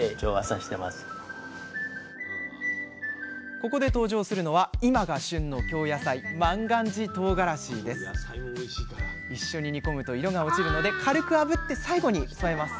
ここで登場するのは今が旬の一緒に煮込むと色が落ちるので軽くあぶって最後に添えます